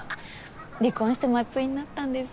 離婚して松井になったんです。